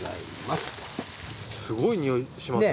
すごいにおいしますね。